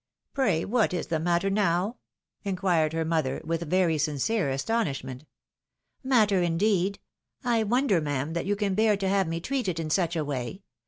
Pray what is the matter now ?" inquired her mother, with very sincere astonishment. " Matter, indeed ! I wonder, ma'am, that you can bear to have me treated in such a way.